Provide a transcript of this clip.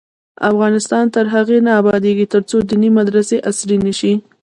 افغانستان تر هغو نه ابادیږي، ترڅو دیني مدرسې عصري نشي.